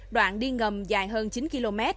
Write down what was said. đoạn đi ngầm dài hơn chín km